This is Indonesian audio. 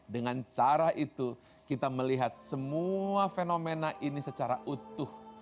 dengan cara itu kita melihat semua fenomena ini secara utuh